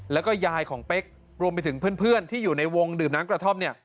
แล้วก็ยายของเป๊กรวมไปถึงเพื่อนที่อยู่ในวงดื่มน้ำกระท่อมเนี่ย